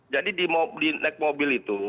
jadi di naik mobil itu